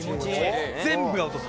全部を落とす。